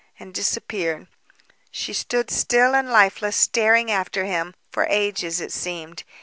and disappeared. She stood still and lifeless, staring after him, for ages, it seemed.